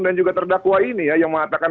dan juga terdakwa ini ya yang mengatakan